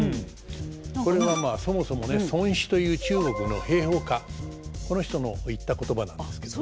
これはまあそもそもね孫子という中国の兵法家この人の言った言葉なんですけどね。